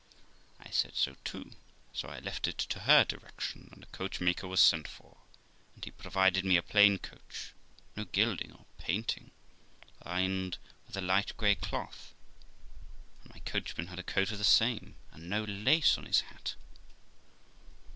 I said so too; so I left it to her direction, and a coachmaker was sent for, and he provided me a plain coach, no gilding or painting, lined with a light grey cloth, and my coachman had a coat of the same, and no lace on his hat.